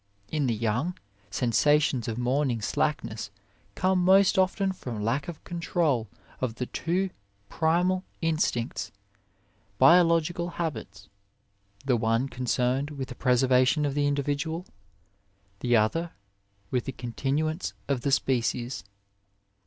In the young, sensations of morning slackness come most often from lack of control of the two primal in stinctsbiologic habits the one concerned with the preservation of the individual, the other with the continuance of the species.